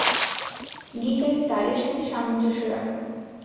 গিটারের তারের সাথে সামঞ্জস্য রাখো।